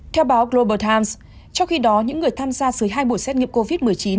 theo báo global times trong khi đó những người tham gia dưới hai buổi xét nghiệm covid một mươi chín